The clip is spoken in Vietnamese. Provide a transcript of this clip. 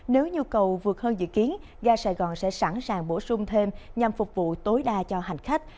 nếu nhu cầu vượt hơn dự kiến ga sài gòn sẽ sẵn sàng bổ sung thêm nhằm phục vụ tối đa cho hành khách